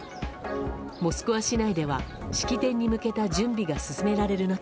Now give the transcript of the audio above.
モスクワ市内では式典に向けた準備が進められる中